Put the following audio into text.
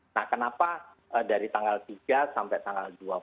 nah kenapa dari tanggal tiga sampai tanggal dua puluh